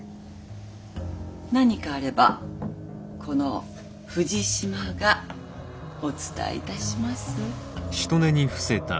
何かあればこの富士島がお伝えいたします。